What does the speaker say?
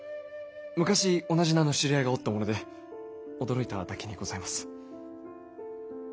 昔同じ名の知り合いがおったもので驚いただけにございます。